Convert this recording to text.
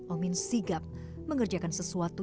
omin sigap mengerjakan sesuatu